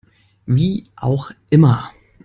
Wie auch immer.